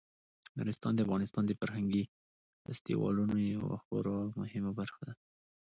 نورستان د افغانستان د فرهنګي فستیوالونو یوه خورا مهمه برخه ده.